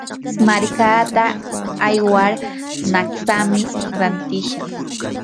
markaata aywar naqtsami rantishaq.